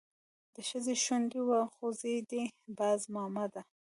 د ښځې شونډې وخوځېدې: باز مامده!